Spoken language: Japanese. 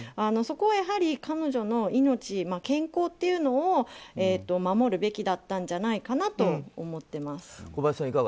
そこはやはり、彼女の命健康というのを守るべきだったんじゃないかなと思っています。